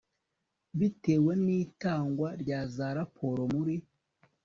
bwite n itangwa rya za raporo muri